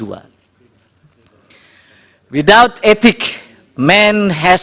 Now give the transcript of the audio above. tanpa etik manusia tidak memiliki masa depan